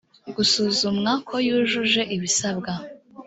gusuzumwa ko yujuje ibisabwa